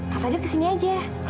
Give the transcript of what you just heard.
kak fadil kesini aja